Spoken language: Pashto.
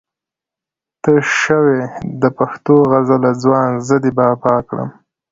ته شوې د پښتو غزله ځوان زه دې بابا کړم